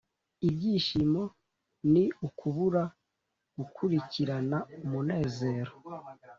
ibyishimo ni ukubura gukurikirana umunezero.